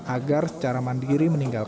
agar secara mandiri meninggal